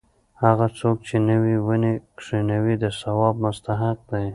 هغه څوک چې نوې ونې کښېنوي د ثواب مستحق دی.